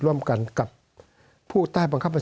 สวัสดีครับทุกคน